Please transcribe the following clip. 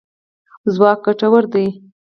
ځواک ګټور دی.